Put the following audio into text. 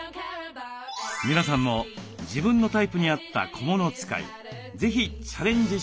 皆さんも自分のタイプに合った小物使い是非チャレンジしてみてください。